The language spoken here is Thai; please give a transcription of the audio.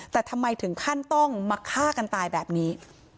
แต่ทำไมถึงขั้นต้องมาฆ่ากันตายแบบนี้